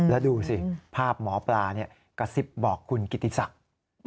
แล้วดูสิภาพหมอปลากระซิบบอกคุณกิติศักดิ์